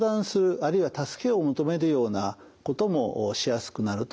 あるいは助けを求めるようなこともしやすくなると思います。